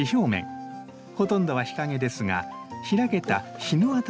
ほとんどは日陰ですが開けた日の当たる場所で出会えます。